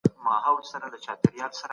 بهرنۍ پالیسي د نړیوالو اړیکو ارزښت نه کموي.